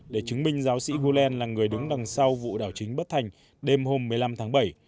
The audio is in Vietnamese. để chứng minh giáo sĩ huelen là người đứng đằng sau vụ đảo chính bất thành đêm hôm một mươi năm tháng bảy